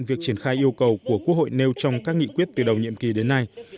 việc triển khai yêu cầu của quốc hội nêu trong các nghị quyết từ đầu nhiệm kỳ đến nay